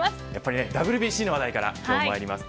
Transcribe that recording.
ＷＢＣの話題から今日もまいります。